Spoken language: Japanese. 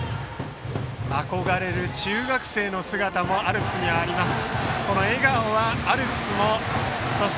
憧れる中学生の姿もアルプスにあります。